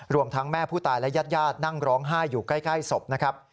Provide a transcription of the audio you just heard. ทั้งแม่ผู้ตายและญาตินั่งร้องไห้อยู่ใกล้ศพนะครับ